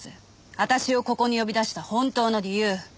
私をここに呼び出した本当の理由。